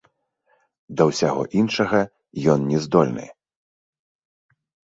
Да ўсяго іншага ён не здольны.